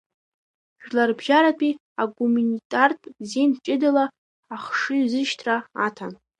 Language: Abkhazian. Жәларбжьаратәи агуманитартә зин ҷыдала ахшыҩзышьҭра аҭан.